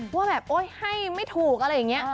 ว่าแบบโอ๊ยให้ไม่ถูกอะไรอย่างนี้